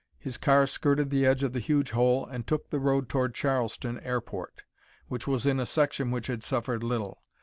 His car skirted the edge of the huge hole and took the road toward the Charleston airport, which was in a section which had suffered little.